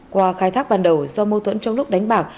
qua khai thác ban đầu do mô tuẫn trong lúc đánh bạc